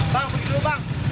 bang pergi dulu bang